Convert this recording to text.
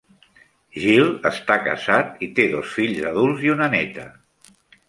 Gill està casat i té dos fills adults i una néta.